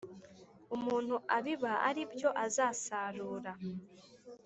umuntu abiba ari byo azasarura